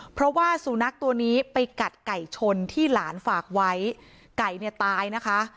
เพราะว่าสุนัขตัวนี้ไปกัดไก่ชนที่หลานฝากไว้ไก่เนี่ยตายนะคะ